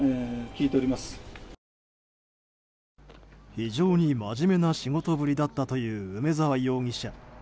非常にまじめな仕事ぶりだったという梅沢容疑者。